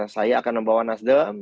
saya akan membawa nasdem